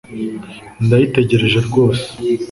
Ndayitegereje rwose